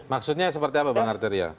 maksudnya seperti apa bang arteria